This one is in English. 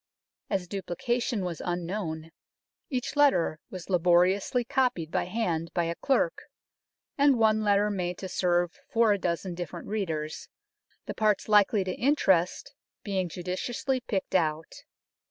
As duplica tion was unknown, each letter was laboriously copied by hand by a clerk, and one letter made to serve for a dozen different readers, the parts likely to interest being judiciously picked out.